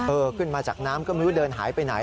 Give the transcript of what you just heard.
ขึ้นมาจากน้ำก็ไม่รู้เดินหายไปไหน